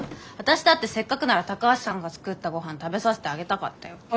私だってせっかくなら高橋さんが作ったごはん食べさせてあげたかったよ。